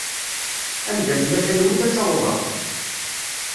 Anda tella talwit ad tt-awḍeɣ.